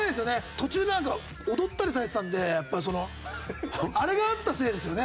途中でなんか踊ったりされてたんでやっぱりそのあれがあったせいですよね。